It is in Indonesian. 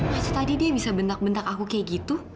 masa tadi dia bisa benak bentak aku kayak gitu